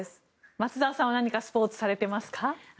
松澤さんは何かスポーツされていますか？